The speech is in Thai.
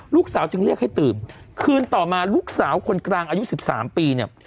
ลูกสาวจึงเรียกให้ตื่นคืนต่อมาลูกสาวคนกลางอายุสิบสามปีเนี่ย